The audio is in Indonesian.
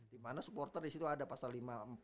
dimana supporter disitu ada pasal lima